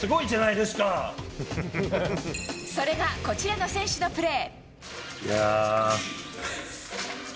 それが、こちらの選手のプレー。